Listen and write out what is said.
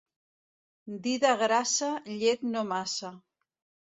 Dida grassa, llet no massa.